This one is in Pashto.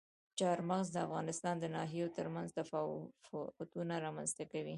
چار مغز د افغانستان د ناحیو ترمنځ تفاوتونه رامنځته کوي.